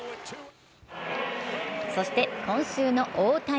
そして、今週の大谷。